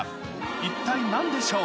一体なんでしょう？